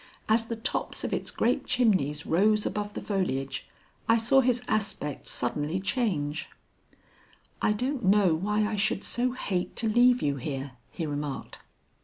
As the tops of its great chimneys rose above the foliage, I saw his aspect suddenly change. "I don't know why I should so hate to leave you here," he remarked.